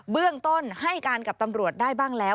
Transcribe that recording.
เบื้องต้นให้การกับตำรวจได้บ้างแล้ว